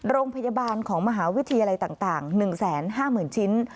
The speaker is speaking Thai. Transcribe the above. โรงพยาบาลของมหาวิทยาลัยต่างหนึ่งแสนห้าหมื่นชิ้น